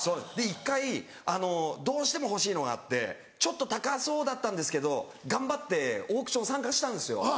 １回どうしても欲しいのがあってちょっと高そうだったんですけど頑張ってオークション参加したんですよ。